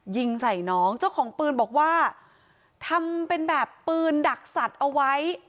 ยิงใส่น้องเจ้าของปืนบอกว่าทำเป็นแบบปืนดักสัตว์เอาไว้